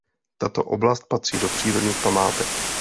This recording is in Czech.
Tato oblast patří do přírodních památek.